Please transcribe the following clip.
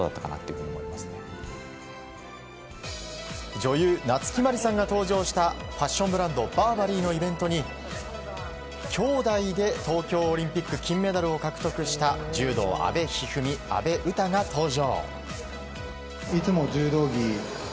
女優・夏木マリさんが登場したファッションブランドバーバリーのイベントに兄妹で東京オリンピック金メダルを獲得した柔道、阿部一二三、阿部詩が登場。